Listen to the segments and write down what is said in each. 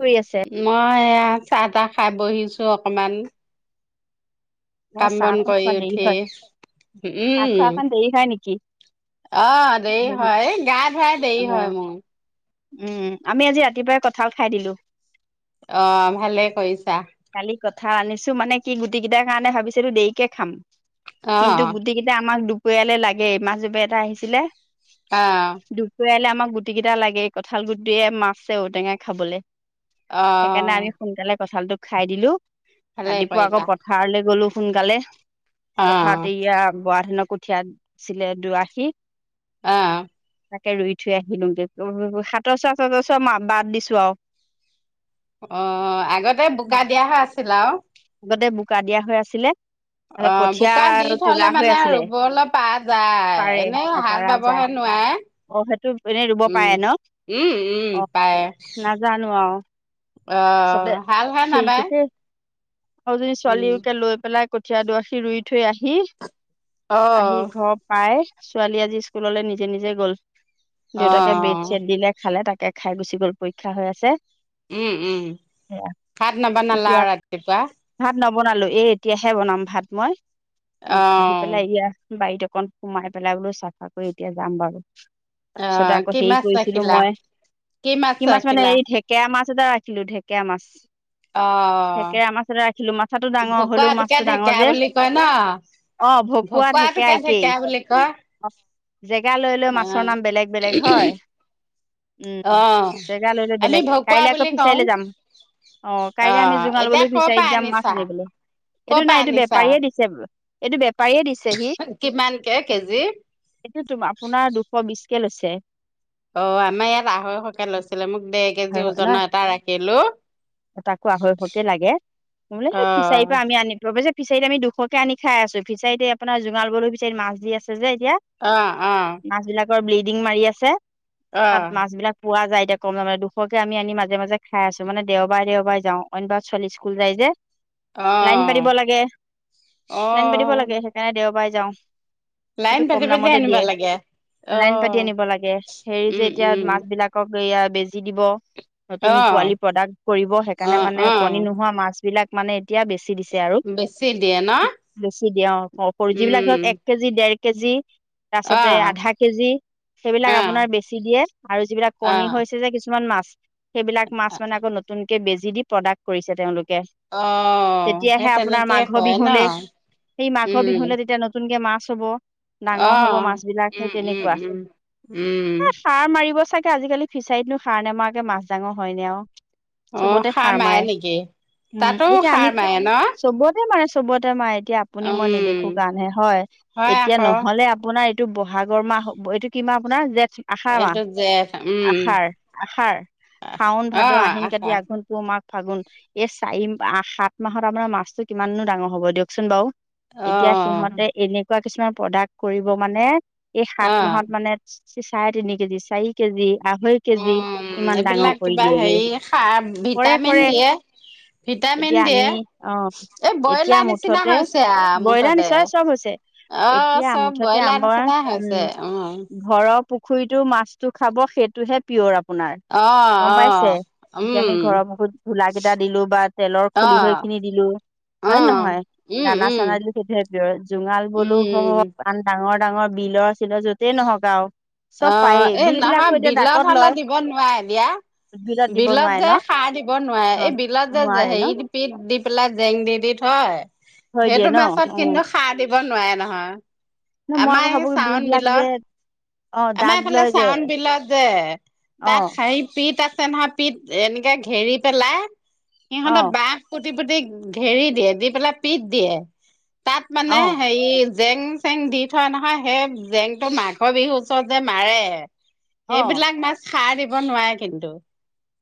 কৰি আছে? মই এয়া চাহ-তাহ খাই বহিছো অকণমান। মোৰ কাম বন চাহখন কৰি খোৱা দেৰি উঠি, হয়, চাহ খোৱা উম। অকণ দেৰি হয় নেকি? আহ দেৰি হয় গা ধুৱাই দেৰি হয় মোৰ। উম, আমি আজি ৰাতিপুৱাই কঠাল খাই দিলো। অ' ভালে কৈইছ কালি কঁঠাল আনিছো মানে কি গুটি কিটাৰ কাৰণে ভাবিছিলো দেৰিকে খাম। অ কিন্তু গুটিকেইটা আমাক দুপৰীয়ালৈ লাগে মাছবেপাৰী এটা আহিছিলে। অ দুপৰীয়ালে আমাক। গুটি কিটা লাগে কঁঠাল গুতিয়েত মাছে ঔটেঙা খাবলে। অ সেইকাৰণে আমি সোনকালে কঁঠালটো খাই দিলো, ভালে ৰাতিপুৱা আকৌ কৰিলা পথাৰলৈ গলো সোনকালে। অ পথাৰত এয়া বৰা ধানৰ কঠীয়াছিলে দুআশী। আহ। তাকে ৰুই থৈ আহিলোগে, হাতৰ [unintelligible] বাদ দিছো আৰু। অ' আগতে বোকা দিয়াহে আছিল আৰু। আগতে বোকা দিয়া হৈ আছিলে। [inaudible] অ, তাৰপিছত কঠীয়া বোকা দি তোলা থলে হৈ মানে আছিলে ৰুবলৈ পা যায়, পাৰে এনে অ হাল পাৰা যায় বাবহে নোৱাৰে। অ সেইটো এনেই ৰুব উম, পাৰে ন উম, উম, অ পায়। নাজানো আৰু চবে অ' হাল হে হেৰি নাবাই। কৈছে আৰু যদি ছোৱালীকে লৈ পেলাই কঠীয়া দআশি ৰুই থৈ আহি। অ আহি ঘৰ পাই ছোৱালী আজি স্কুললৈ নিজে নিজে গ'ল। দেউতাকে অ বেড-চেট দিলে খালে তাকে খাই গুচি গ'ল পৰীক্ষা হৈ আছে। উম, উম, সেয়া ভাত নবনালা এতিয়া ৰাতিপুৱা? ভাত নবনালো, এই এতিয়াহে বনাম ভাত মই, অ আহি পেলাই এয়া। বাৰীত অকণ সোমাই পেলাই বোলো চাফা কৰি এতিয়া যাম বাৰু। তাৰপিছতে আহ আকৌ কি হেৰি মাছ কৰিছিলো ৰাখিলা মই, কি মাছ মানে এই ঢেকেৰা মাছ ৰাখিলো ঢেঁকেৰা মাছ। অ'। সেকে আমাৰ তাতে ৰাখিলো, মাথাটো ডাঙৰ হলেও ভকুৱাটোকে মাছটো ডাঙৰ ঢেকীয়া যে। বুলি কয় ন অ, ভকুৱা ভকুৱাটোকে ঢেকেৰা একেই। ঢেকীয়া বুলি কয় জেগা লৈ লৈ অ মাছৰ নাম বেলেগ বেলেগ হয়। উম, অ জেগা লৈ লৈ আমি বেলেগ, ভকুৱা কাইলে আকৌ বুলি কওঁ ফিচাৰীলে যাম। অ, কাইলৈ আমি জোঙা এতিয়া লবলৈ কৰ ফিচাৰীত পৰা যাম মাছ আনিছা আনিবলৈ। কৰ এইটো নাই পৰা এইটো আনিছা বেপাৰীয়ে দিছে। এইটো বেপাৰীয়ে দিছে সি কিমানকে কেজি? এইটো তোম, আপোনাৰ দুশ বিশকে লৈছে। অ, আমাৰ ইয়াত আঢ়ৈশকে লৈছিলে মোক দেৰ হয় কেজি হয় ন ওজনৰ এটা ৰাখিলো। তাকো আঢ়ৈশকে লাগে বোলে অ সেই ফিচাৰীৰ পৰা আমি আন অৱশ্যে ফিচাৰীত আমি দুশকে আনি খাই আছো, ফিচাৰীত এই আপোনাৰ জোঙাল বোলো ফিচাৰীত মাছ দি আছে। যে এতিয়া, অ অ মাছবিলাকৰ ব্লিডিং মাৰি আছে তাত মাছবিলাক পোৱা যায়। এতিয়া কম যামানে দুশকে আমি আনি মাজে-মাজে খাই আছো, মানে দেওবাৰে-দেওবাৰে যাও, অইন বাৰত ছোৱালী স্কুল যায় যে। অ লাইন পাতিব লাগে, অ লাইন পাতিব অ লাগে, সেইকাৰণে দেওবাৰে যাওঁ লাইন সেইটো পাতি কম পাতি দামতে আনিব দিয়ে। লাগে লাইন পাতি অহ আনিব লাগে, হেৰি যে উম এতিয়া উম মাছ বিলাকক য়া বেজি দিব, অ নতুন পোৱালি প্ৰডাক্ট কৰিব, অ সেইকাৰণে মানে অ কণী নোহোৱা মাছ বিলাক মানে এতিয়া বেছি দিছে আৰু বেছি দিয়ে ন বেছি দিওঁ খ যিবিলাক ধৰক উম এক কেজি, দেৰ কেজি তাৰ অ পাছতে আধা কেজি অ সেইবিলাক আপোনাৰ বেছি দিয়ে আৰু যিবিলাক অ কণী হৈছে যে কি কিছুমান মাছ সেইবিলাক মাছ মানে আকৌ নতুনকে বেজি দি প্ৰডাক্ট কৰিছে তেওঁলোকে অ সেই তেতিয়াহে আপোনাৰ তেনেকে মাঘৰ কয় ন বিহুলে সেই মাঘৰ উম বিহুে তেতিয়া নতুনকে মাছ হ'ব অ ডাঙৰ হব মাছ বিলাক সেই উম উম তেনেকুৱা উম উম সাৰ মাৰিব চাগে আজিকালি ফিচাৰীতনো সাৰ নোমাৰাকে মাছ ডাঙৰ হয় নে আৰু চবতে সাৰ মাৰে উম, তাতো এতিয়া সাৰ আমি মাৰে ন চবতে মাৰে, চবতে মাৰে, এতিয়া আপুনি মই নেদেখো উম কাৰণ হে হয়। হয় এতিয়া আকৌ নহলে আপোনাৰ এইটো ব'হাগৰ মাহ, এইটো কি মাহ আপোনাৰ যে আষাৰ মাহ, এইটো জেঠ উম আষাৰ। আষাৰ, শাওন, অ ভাদ, আহিন, আশা কাতি, আঘণ, পুহ, মা ফাগুন, এই চাৰি, সাত মাহত আপোনাৰ মাছটো কিমাননো ডাঙৰ হ'ব দিয়কচোন বাৰু। অ এতিয়া সিহঁতে এনেকুৱা কিছুমান প্ৰডাক্ট কৰিব মানে এই সাত অ মাহত মানে চাৰে তিনি কেজি চাৰি কেজি আঢ়ৈ কেজি উম ইমান ডাঙৰ এইবিলাক কৰি কিবা হেৰি দিয়েগে সাৰ কৰে ভিটামিন কৰে দিয়ে ভিটামিন এতিয়া দিয়ে আমি অ এই এতিয়া ব্ৰইলাৰ নিচিনা মুঠতে হৈছে আৰু বইলাৰ মুঠতে নিচয় চব হৈছে অ এতিয়া চব মুঠতে ব্ৰইলাৰ আমাৰ নিচিনা হৈছে উম ঘৰৰ পুখুৰ পুখুৰীটো মাছটো খাব সেইটোহে পিয়'ৰ আ আপোনাৰ অ গম পাইছে অ এতিয়া আমি উম ঘৰৰ মুখুত ধোলা কেইটা দিলো বা তেলৰ অ খল হৈ খিন নি দিলো অ হয়ে নহয় উম দানা উম চানা দিলো সেইটোহে প্ৰিয়ৰ জোঙাল বোলো উম সহ আন ডাঙৰ ডাঙৰ বিলৰ চিলৰ য'তেই নহক আৰু অ চব পায়েই এই বিল বিলাকো নহয় এতিয়া বিলত ডাকত লয় হলেত দিব নোৱাৰে দিয়া দিব বিলত নোৱাৰে ন যে সাৰ দিব নোৱাৰে অ এই বিলত যে যে নোৱাৰে ন হেপ দি পেলাই জেং দি দি থয় থৈ দিয়ে সেইটো ন মাছত অ কিন্তু সাৰ দিব নোৱাৰে নহয় ন মই আকৌ আমাৰ ভাবো কি চাওন বিবিলাক যে বিলত অ আমাৰ দাগ এইফালে লয় যে চাউন বিলত যে অ তাত হহি পিত আছে নহয় পিত এনেকে ঘেৰি পেলাই অ সিহঁতে বহ কু পুট পুতি ঘেৰি দিয়ে দি পেলাই পিট দিয়ে তাত অ মানে হেৰি জেং চেং দি থোৱা নহয়, সেই জেংটো মাঘৰ বিহুৰ ওচৰত যে মাৰে অ সেইবিলাক মাছ খাৰ দিব নোৱাৰে কিন্তু।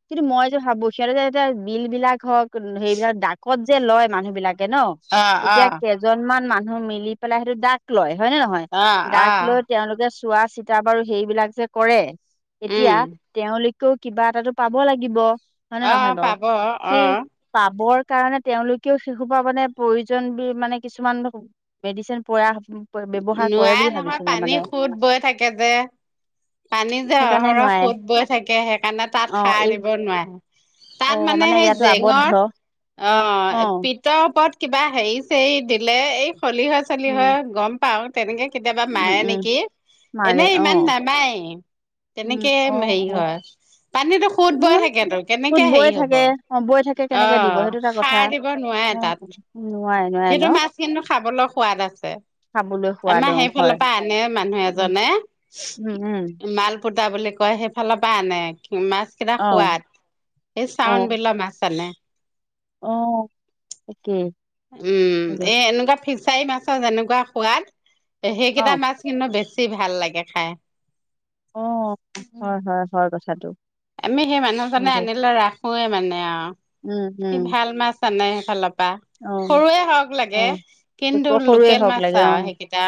কিন্তু মই যে ভাবো সিহঁতে যে এতিয়া বিল বিলাক হওক সেইবিলাক ডাকত যে লয় মানুহ বিলাক থাকে ন অ অ এতিয়া কেইজনমান মানুহ মিলি পেলাই সেইটো দাগ লয়। হয় নে নহয় অ অ দাক লৈ তেওঁলোকে চোৱা চিতা বাৰু সেইবিলাক যে কৰে। তেতিয়া উম তেওঁলোকেও কিবা এটাটো পাব লাগিব। হয়নে অ নহয় বাওঁ! পাব সি অ চাবৰ কাৰণে তেওঁলোকেও সেই সোপা মানে প্ৰয়োজন মানে কিছুমান মেডিচিন প্ৰয়াস নোৱাই নহয় পানী সোত বৈ থাকে যে। পানী যে সেইকাৰণে অহৰহ নোৱাৰে সোত বৈ থাকে সেইকাৰণে তাত অ সাৰ এই দিব নোৱাই। অ তাত মানে সেই ইয়াতো আবদ্ধ জেঙত, আহ অ পিত ক'ত কিবা হেৰি চেৰি দিলে এই খলিৱৈ চলিৱৈ উম হয় গম পাও তেনেকে কেতিয়াবা উম, মাৰে উম, নেকি মাৰে এনেই ইমান অ', নামায়। উম, তেনেকে অ', হেৰি অ', হয়। পানীতো সোত মোৰ বই মানে থাকেতো টোত কেনেকে হেৰি বৈ হ'ব। থাকে অ', বৈ অৱ সাৰ দিব নোৱাৰে। তাত উম, নোৱেই নোৱেই ন! সেইটো মাছ কিন্তু খাবলৈ সোৱাদ আছে। খাবলৈ সোৱাদ আমাৰ অ', হয়। সেইফালৰ পৰা আনে মানুহ উম, এজনে, উম, উম, মাল ফুতা বুলি কয় সেইফালৰ পৰা আনে। মাছ কেইটা অ', সোৱাদ এই চাউন অ', বিলৰ মাছ আনে। অ' তাকে। উম, এ এনেকুৱা ফিচাৰি মাছৰ যেনেকুৱা সোৱাদ। অ', সেইকেইটা মাছ কিন্তু বেছি ভাল লাগে খাই। অ' হয়' হয় 'হয় কথাটো। আমি সেই হয় মানুহজনে দিয়ক। আনিলে ৰাখোয়ে মানে আ উম, সি উম, ভাল মাছ আনে। সেইফালৰ অ', সৰুৱে হওঁক লাগে অ', ক কিন্তু সৰুৱে লোকেল মাছ আ সেইকেইটা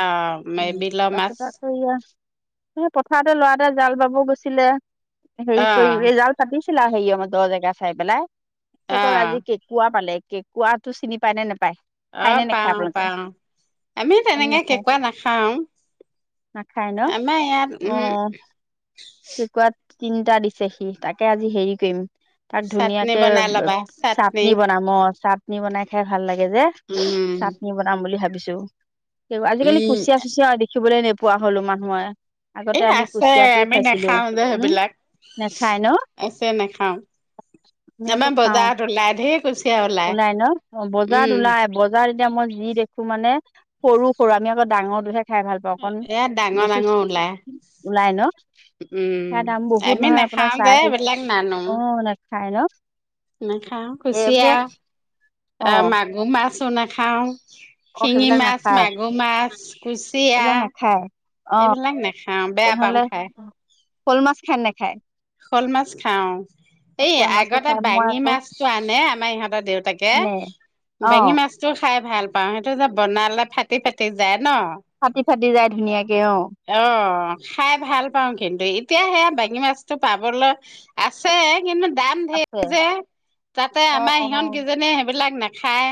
অ'। তা পাছত আকৌ য়েইআ পথাৰতে ল'ৰা এটা জাল বাব গৈছিলে হেৰি অ কৰি এই জাল পাতিছ ছিলা হেৰি দহ জেগা চাই পেলাই সে অ ক আজি কেঁকুৱা পালে কেঁকৰাাতটো চিনি পাই নে নেপায়! খায় অৱ নে নেখায় পাও আপোনালোকে? পাও আমিও খায় নে তেনেকে নেখায়? কেকুৱা নাখাও। নাখায় ন আমাৰ ইয়াত উম অৱ কেকুৱাত তিনিটা দিছে সি তাকে আজি হেৰি কৰিম। তাক চাটনি ধুনীয়াকে বনাই ল'বা চাটনি বনাব‌‌ অ চাট। চাটনি বনাই খাই ভাল লাগে যে উম চাটনি বনাম বুলি ভাবিছোঁ। আজিকালি উম কুচিয়া-চুচিয়া দেখিবলৈ নোপোৱা হলো মানুহে। আগতে এই আমি আছে কুচিয়াটো আমি খাইছিলো। নাখাও যে উম, সেইবিলাক নেখায় ন? আছে নাখাও আমি আকৌ আমাৰ খাওঁ। বজাৰত ওলাই ধেৰ কুছিয়া ওলাই। ওলাই ন। উম বজাৰত ওলাই বজাৰ এতিয়া মই যি দেখো মানে সৰু সৰা আমি আকৌ ডাঙৰ টোহে খাই ভাল পাওঁ। অকণ ইয়াত ডাঙৰ বস্তু ডাঙৰ ওলাই ওলাই ন। উম সেয়া দাম বহুত আমি নহয় নাখাও আপোনাৰ যে চাই তি এইবিলাক অ' নেখায় ন। নাখাওঁ এইবোৰে কুচিয়া অ আহ মাগুৰ মাছো নাখাও। অ শিঙি সেইবিলাক মাছ নাখায় মাগুৰ মাছ কুচিয়া এইবিলাক নাখায় অ এইবিলাক নেখাওঁ বেয়া পাওঁ তেনেহলে খাই। শ'ল মাছ খায় নে নাখায়। শ'ল মাছ খাও। এই শ'ল মাছটো আগতে খাই মই বাঙি আকৌ মাছতটো আনে আমাৰ ইহঁতেৰ দেউতাকে মানে অ বাঙি মাছতটো খাই ভাল পাও সেইটো যে বনালে ফাটি ফাটি যায়। ন। ফাটি ফাটি যায় ধুনীয়াকে অ অ' খাই ভাল পাওঁ কিন্তু, এতিয়া সেয়া বাঙী মাছতটো পাবলৈ আছে। কিন্তু দাম ধেৰ আছে যে তাতে অ আমাৰ অ ইহঁত কেইজনীয়ে সেইবিলাক নাখায়।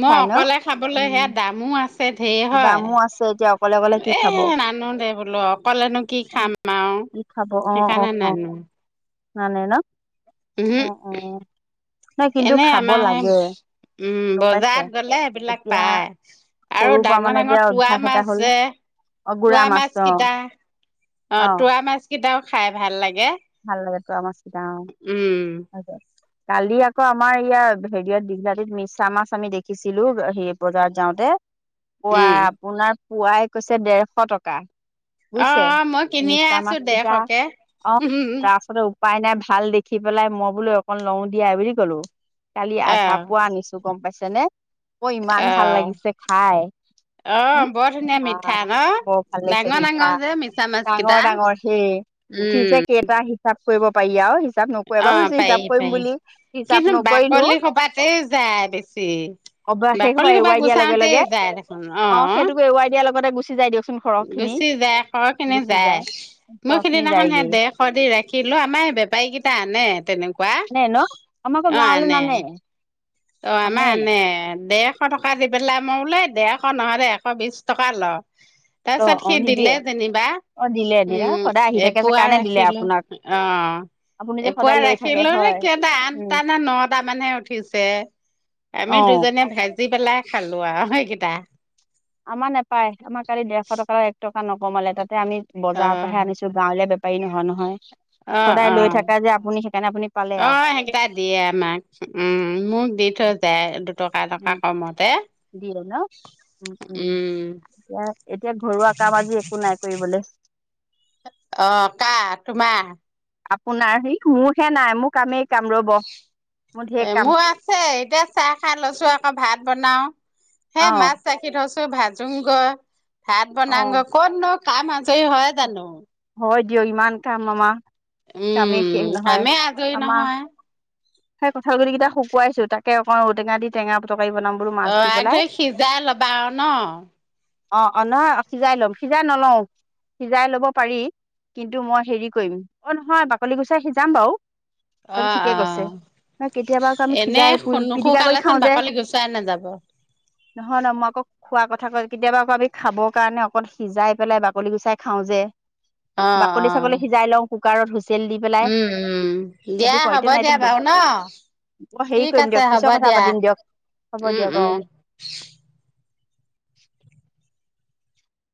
মই ন অকলে খাবলৈ সেয়া উম দামো আছে। ধেৰ হয় দামো আছে এতিয়া অকলে অকলে কি এ খাব। নানো দে বোলো অকলেনো কি অ খাম আৰু সেইকাৰণে নানো। নানে ন উ, উ। এনে আমাৰ উম গম পাইছে বজাৰত গলে সেইবিলাক এতিয়া পায়। আৰু সৰুৰ পৰা ডাঙৰ মানে ডাঙৰ এতিয়া তুৱা অভ্যাস এটা মাছ হ'ল যে অ গুড়া তুৱা মাছ মাছটো কেইটা অ' তোৱা মাছ কেইটাও খাই ভাল লাগে। ভাল লাগে তুৱা মাছ গিটাৰ উম অ'। কালি আকৌ আমাৰ ইয়াৰ হেৰিয়ত দীঘলাতিত মিছা মাছ আমি দেখিছিলো হে বজাৰত যাওঁতে। পোৱা উম আপোনাৰ পুৱাই কৈছে দেড়শ টকা। অ বুজিছে অ মই কিনিয়ে মিছা আছো মাছ গিটাৰ ডেৰশকে অ'। উম তাৰপাছতে উপায় নাই ভাল দেখি পেলাই মই বোলো অকন লওঁ দিয়া এই বুলি কলো। কালি আধা আহ পোৱা আনিছো গম পাইছে নে, অ ইমান ভাল আহ লাগিছে খাই। অ হম 'বৰ ধুনীয়া মিঠা বৰ ভাল ন লাগিছে ডাঙৰ মিঠা ডাঙৰ যে মিছা মাছ ডাঙৰ কেইটা। ডাঙৰ সেই উঠি যে উম। কেইটা হিচাপ কৰিব পাৰি আ। হিচাপ নকৰি অ এবাৰ হৈছে হিচাপ পাৰি কৰিম পাৰি বুলি হিচাপ কিন্তু নকৰিলো। বাকলি সোপাতেই যায় বেছি অ'ব শেষ হব বাকলি এ সোপা ৱাই দিয়াৰ লগে গুচাওতেই লগে যায় দেখোন অ' সেইটোকো এ ৱাই দিয়াৰ লগতে গুচি যাই দিয়কছোন। গুচি যায় খ খিনি যায়। মই সৰহ খিনি সিদিনাখন এ যায়গেই দেৰশ দি ৰাখিলো আমাৰ সেই বেপাৰী কেইটা আনে তেনেকুৱা। নাই ন আমাৰ আকৌ গাঁৱলৈ নানে। নানে অ'আমাৰ আনে ডেৰশ টকা দি পেলাই মই এই দেৰশ এশ নহলে এশ বিশ টকা ল, অ তাৰপিছত অ সি নিদিয়ে দিলে যেনিবা। অ দিলে দিলে সদায় আহি উম থাকে যে এপোৱা কাৰণে দিলে ৰাখিলো। আপোনাক অ' আপুনি যে এপোৱা সদায় লৈ থাকে ৰাখিলো নে হয় কেইটা উম আঠটা নে নটা মানহে উঠিছে। অ আমি দুজনীয়ে ভাজি পেলাই খালো আৰু সেইকেইটা। আমাৰ নোপায়, আমাৰ কালি ডেৰশ টকা এক টকা নকমালে তাত। তে আমি অ বজাৰৰ পৰাহে আনিছো, গাঁৱলীয়া বেপাৰী নহয় অ নহয়। অ সদায় লৈ থাকা যে আপুনি সেইকাৰণে আপুনি পালে আৰু অ' সেইকেইটা দিয়ে আমাক উম মোক দি থৈ যায় দুটকা এটকা উম কমতে। দিয়ে ন উম। উম, এতিয়া ঘৰুৱা কাম আজি একো নাই কৰিবলৈ। অ' কা তোমাৰ। আপোনাৰ সেই মোৰহে নাই মোক কামে এ মোৰ আছে, এতিয়া চাহ খাই লৈছো আকৌ ভাত বনাওঁ। হে অ মাছ ৰাখি থৈছো ভাজোং গৈ ভাত অ বনাংগৈ, ক'ত নো কাম আজৰি হয় জানো হয় দিয়ক ইমান কাম আমাৰ কামেই উম শেষ নহয়। কামেই আজৰি আমাৰ নহয় সেই কঠালগুটি কেইটা শুকুৱাইছো, তাকে অকন ঔটেঙা দি টেঙা পুক [unintelligible] অ' আগ ধৰি সিজাই ল'বা আৰু ন। অ' অ' নহয় সিজাই লম, সিজাই নলওঁ। সিজাই লব পাৰি, কিন্তু মই হেৰি কৰিম। অ' নহয় বাকলি গুচাই সিজাম বাৰু। সেইটো অ' ঠিকে কৈছে অ' ন কেতিয়াবা আকৌ আমি এনে সিজাই পিটিকা কৰি নুশুকালেচোন খাওঁ যে বাকলি গুচাই নাযাব। নহয় নহয় মই আকৌ খোৱা কথা কেতিয়াবা আকৌ আমি খাবৰ কাৰণে অকল সিজাই পেলাই বাকলি গুচাই খাও যে। বাকলি অ চাগলৈ সিজাই লওঁ কুকাৰত হুইচেল দি পেলাই উম উম সেইটো দিয়া হ'ব কয়তে নাই দিয়া বাৰু ন। অ' মই হেৰি ঠিক কৰিম আছে দিয়ক হ'ব পিছৰ কথা দিয়া। পাতিম দিয়ক হ'ব উম দিয়ক অ উম [inaudible]